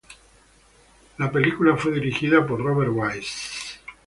La película fue dirigida por Robert Wise.